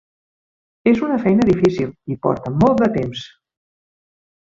És una feina difícil, i porta molt de temps!